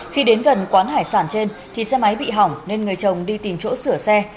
khi đến gần quán hải sản trên thì xe máy bị hỏng nên người chồng đi tìm chỗ sửa xe